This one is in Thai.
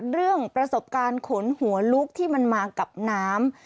เรื่องประสบการณ์ขนหัวลุกที่มันมากับน้ำ